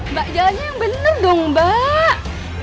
mbak jalannya yang benar dong mbak